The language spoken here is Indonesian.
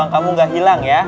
kamu gak hilang ya